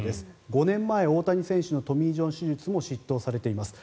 ５年前、大谷選手のトミー・ジョン手術も執刀されています。